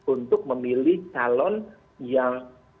untuk memilih calon yang